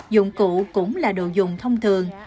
dụng cụ cũng là đồ dùng thông thường